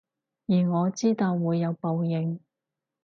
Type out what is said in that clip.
而我知道會有報應